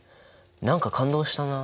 何か感動したな。